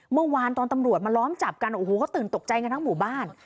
เมื่อวานตอนตำรวจมาล้อมจับกันโอ้โหเขาตื่นตกใจกันทั้งหมู่บ้าน